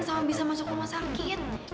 sama bisa masuk rumah sakit